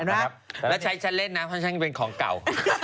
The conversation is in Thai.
อ่ะเห็นมั้ยแล้วใช้ฉันเล่นน่ะเพราะฉันเป็นของเก่า